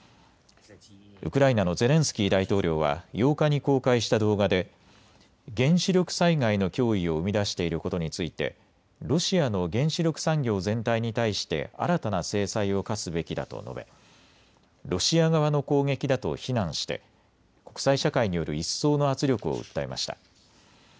ウクライナのゼレンスキー大統領は８日に公開した動画で、原子力災害の脅威を生み出していることについてロシアの原子力産業全体に対して新たな制裁を科すべきだと述べロシア側の攻撃だと非難して国際社会による一層の圧力を訴えました。